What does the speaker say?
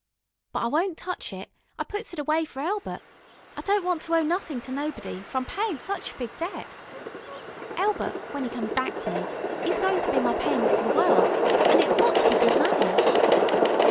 But I won't touch it, I puts it away for Elbert. I don't want to owe nothin' to nobody, for I'm payin' sich a big debt. Elbert, when 'e comes back to me, 'e's going to be my payment to the world, an' it's got to be good money.